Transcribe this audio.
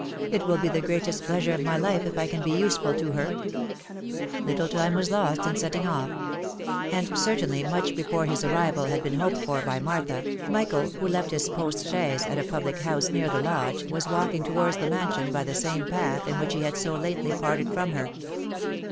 " It will be the greatest pleasure of my life, if I can be useful to her !" Little time was lost in setting off; and certainly much before his arrival had been hoped for by Martha, Michael, who left his post chaise at a public house near the lodge, was walking towards the mansion by the same path in which he had so lately parted from her.